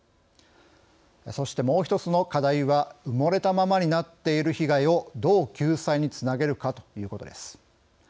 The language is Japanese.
そしてもう１つの課題は埋もれたままになっている被害をどう救済につなげるかということです。